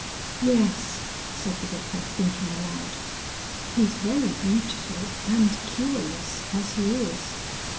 "Yes," said the Vicar, thinking aloud. "He's very beautiful and curious as he is.